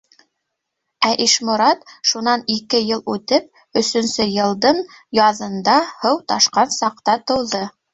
Ә Ишморат шунан ике йыл үтеп өсөнсө йылдын яҙында һыу ташҡан саҡта тыуҙы.